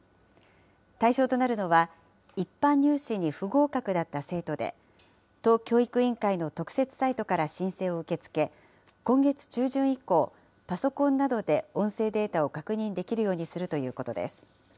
対象となるのは一般入試に不合格だった生徒で、都教育委員会の特設サイトから申請を受け付け、今月中旬以降、パソコンなどで音声データを確認できるようにするということです。